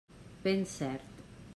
Ben cert.